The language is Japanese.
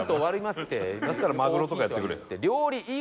「だったらマグロとかやってくれよ」